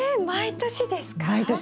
毎年です。